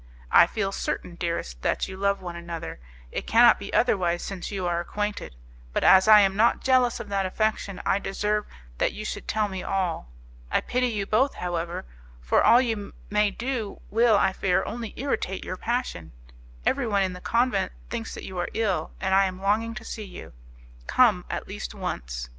I feel certain, dearest, that you love one another; it cannot be otherwise since you are acquainted; but as I am not jealous of that affection, I deserve that you should tell me all. I pity you both, however; for all you may do will, I fear, only irritate your passion. Everyone in the convent thinks that you are ill, and I am longing to see you. Come, at least, once.